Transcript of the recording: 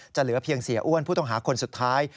เหลือเพียงเสียอ้วนผู้ต้องหาคนสุดท้าย